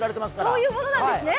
そういうものなんですね。